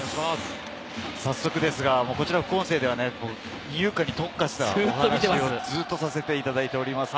早速ですが、副音声では二遊間に特化したお話をずっとさせていただいております。